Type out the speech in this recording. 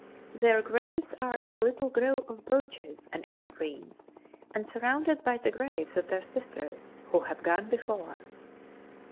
Their graves are in a little grove of birches and ever greens and surrounded by the graves of their Sisters who have gone before.